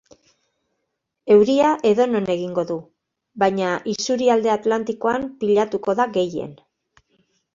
Euria edonon egingo du, baina isurialde atlantikoan pilatuko da gehien.